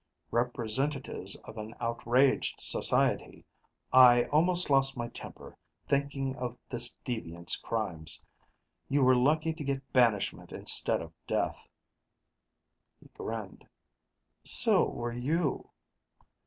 "Representatives of an outraged society." I almost lost my temper, thinking of this deviant's crimes. "You were lucky to get banishment instead of death." He grinned. "So were you."